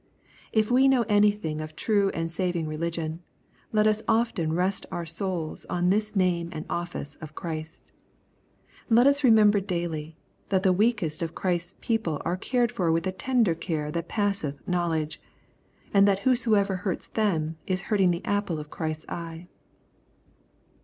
^ If we know anything of true and saving religion, let us often rest our souls on this name and office of Christ. Let us remember daily, that the weakest of Christ's people are cared for with a tender care that passeth knowledge, and that whosoever hurts them is hurting the apple of Christ's eye.